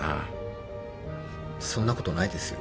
そんなことないですよ。